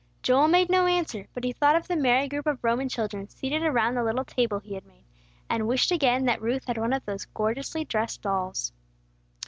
Joel made no answer; but he thought of the merry group of Roman children seated around the little table he had made, and wished again that Ruth had one of those gorgeously dressed dolls.